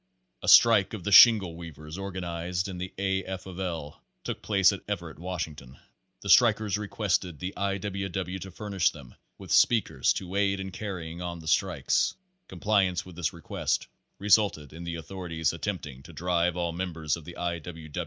A strike of the shingle weavers organized in the A. F. of L. took place at Everett, Washington. The strik ers requested the I. W. W. to furnish them with speak ers to aid in carrying on the strike. Compliance with this request resulted in the authorities attempting to drive all members of the I.